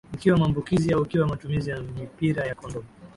ikiwa maambukizi au ikiwa matumizi ya mipira ya kondom